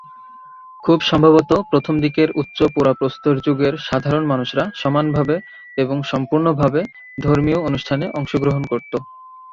খুব সম্ভবত প্রথম দিকের উচ্চ-পুরাপ্রস্তর যুগের সাধারণ মানুষরা সমান ভাবে এবং সম্পুর্ণভাবে ধর্মীয় অনুষ্ঠানে অংশগ্রহণ করত।